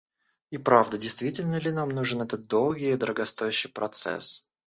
И правда, действительно ли нам нужен этот долгий и дорогостоящий процесс?